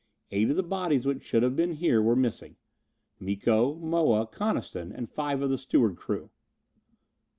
Eight of the bodies which should have been here were missing: Miko, Moa, Coniston, and five of the steward crew.